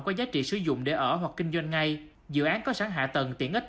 có giá trị sử dụng để ở hoặc kinh doanh ngay dự án có sẵn hạ tầng tiện ích